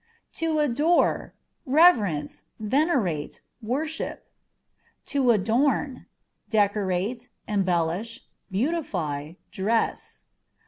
To Adore â€" reverence, venerate, worship. To Adorn â€" decorate, embellish, beautify, dress.